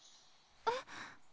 えっ？